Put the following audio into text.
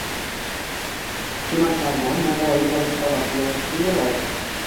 «Kinokarvon» Navoiy va Buxoro viloyatiga yo‘l oldi